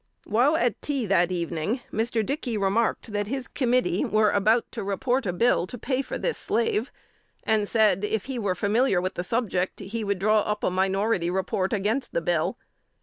While at tea that evening, Mr. Dickey remarked, that his committee were about to report a bill to pay for this slave, and said, if he were familiar with the subject, he would draw up a minority report against the bill.